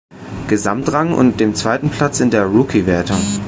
Gesamtrang und dem zweiten Platz in der "Rookie"-Wertung.